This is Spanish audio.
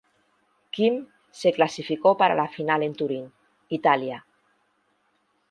Kim se clasificó para la Final en Turín, Italia.